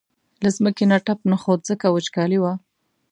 له ځمکې نه تپ نه خوت ځکه وچکالي وه.